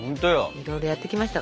いろいろやってきましたからね。